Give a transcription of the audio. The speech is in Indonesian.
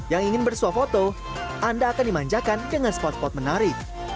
yang ingin bersuah foto anda akan dimanjakan dengan spot spot menarik